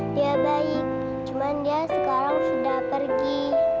dia baik cuman dia sekarang sudah pergi